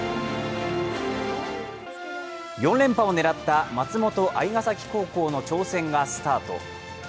４連覇を狙った松本蟻ヶ崎高校の挑戦がスタート。